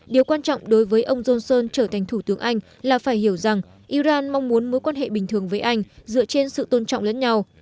điều quan trọng đối với ông johnson trở thành thủ tướng anh là phải hiểu rằng iran mong muốn mối quan hệ bình thường với anh dựa trên sự tôn trọng lẫn nhau